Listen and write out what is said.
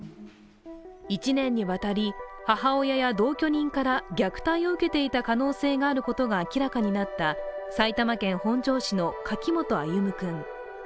１年にわたり、母親や同居人から虐待を受けている可能性が明らかになった明らかになった埼玉県本庄市の柿本歩夢君。